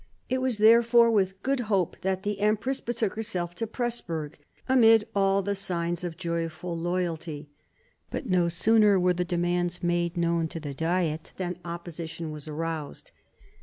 It was therefore with good hope that the empress betook herself to Presburg, amid all the signs of joyful loyalty. But no sooner were the demands made known to the Diet than opposition was aroused.